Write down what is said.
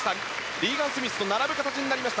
リーガン・スミスと並ぶ形になりました。